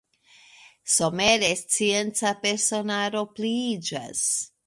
Somere scienca personaro pliiĝas.